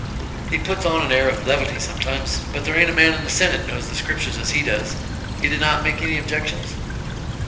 He puts on an air of levity sometimes, but there aint a man in the senate knows the scriptures as he does. He did not make any objections?"